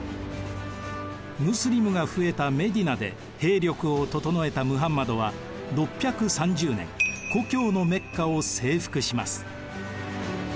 ムスリムが増えたメディナで兵力を整えたムハンマドは６３０年故郷のメッカを征服します。